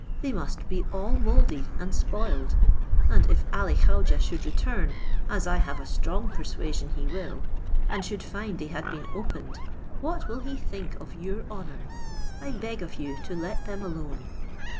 They most be all mouldy, and spoiled; and if Ali Khaujeh should return, as I have a strong persuasion he will, and should find they had been opened, what will he think of your honour? I beg of you to let them alone."